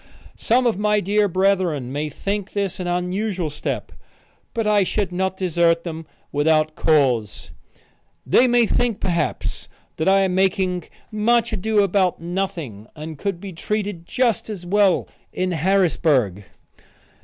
Some of my dear brethren may think this an unusual step, but I should not desert them without cause. They may think, perhaps, that I am making much ado about nothing and could be treated just as well in Harrisburg.